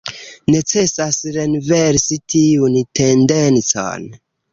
Necesas renversi tiun tendencon.